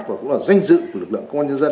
và cũng là danh dự của lực lượng công an nhân dân